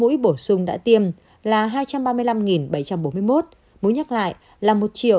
mũi bổ sung đã tiêm là hai trăm ba mươi năm bảy trăm bốn mươi một mũi nhắc lại là một ba trăm năm mươi bốn ba trăm bảy mươi một